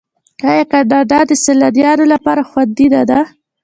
آیا کاناډا د سیلانیانو لپاره خوندي نه ده؟